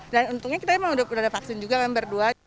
dan untungnya kita emang udah ada vaksin juga memang berdua